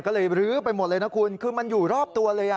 ก็เลยรื้อไปหมดเลยนะคุณคือมันอยู่รอบตัวเลย